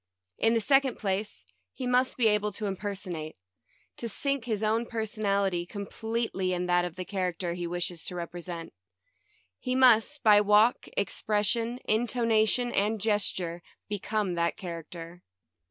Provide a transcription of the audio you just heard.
In the second place, he must be able to impersonate — to sink his own personality completely in that of the character he wishes to represent. He must, by walk, expression, intonation, and gesture, become that char acter.